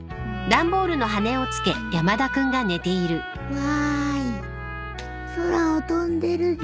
わーい空を飛んでるじょ。